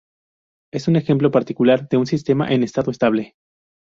Es un ejemplo particular de un sistema en estado estable.